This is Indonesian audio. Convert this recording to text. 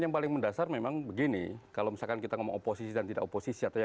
yang paling mendasar memang begini kalau misalkan kita ngomong oposisi dan tidak oposisi atau ya